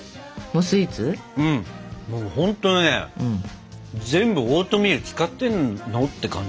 ほんとにね全部オートミール使ってんのって感じ。